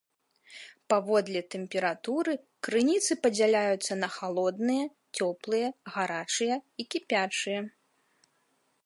Паводле тэмпературы крыніцы падзяляюцца на халодныя, цёплыя, гарачыя і кіпячыя.